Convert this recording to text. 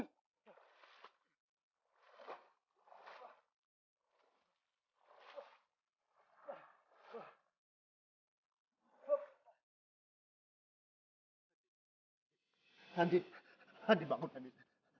adip adip adip adip bangun adip